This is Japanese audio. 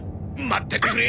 待っててくれ！